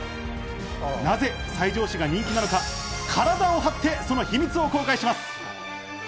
なぜ西条市が人気なのか、体を張って、その秘密を公開します。